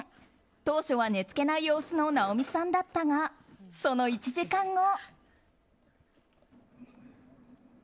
当初は寝つけない様子の直美さんだったがその１時間後。